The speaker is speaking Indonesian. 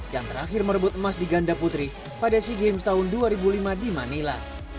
yang terakhir merebut emas di ganda putri pada sea games tahun dua ribu lima di manila